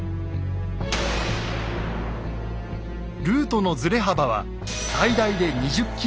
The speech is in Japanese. ルートのずれ幅は最大で２０ｋｍ。